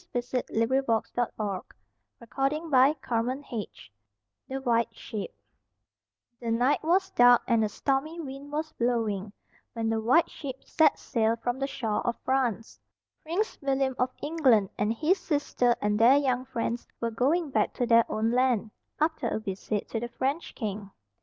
[Illustration: BLONDEL SINGS BENEATH RICHARD'S WINDOW] =The White Ship= The night was dark, and a stormy wind was blowing, when the White Ship set sail from the shore of France. Prince William of England and his sister and their young friends were going back to their own land, after a visit to the French king.